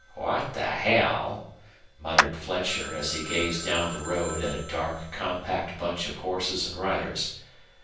"What the hell!" muttered Fletcher, as he gazed down the road at a dark, compact bunch of horses and riders.